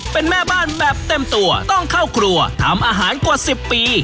เป็นแม่บ้านแบบเต็มตัวต้องเข้าครัวทำอาหารกว่า๑๐ปี